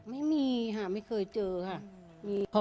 ไม่มีค่ะไม่เคยเจอค่ะ